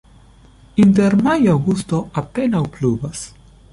Inter majo-aŭgusto apenaŭ pluvas.